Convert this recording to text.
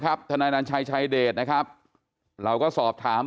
เพราะทนายอันนันชายชายเดชาบอกว่าจะเป็นการเอาคืนยังไง